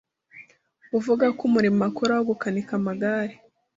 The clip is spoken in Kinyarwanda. uvuga ko umurimo akora wo gukanika amagare